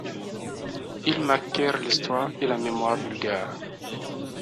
Ils marquèrent l'histoire et la mémoire bulgares.